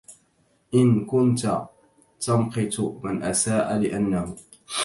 إن كنت تمقت من أساء لأنه